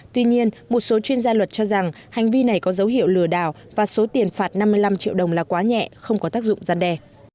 tuy nhiên một số chuyên gia luật cho rằng hành vi này có dấu hiệu lừa đảo và số tiền phạt năm mươi năm triệu đồng là quá nhẹ không có tác dụng gian đe